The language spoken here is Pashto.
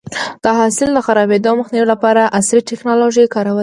د حاصل د خرابېدو مخنیوی لپاره عصري ټکنالوژي کارول شي.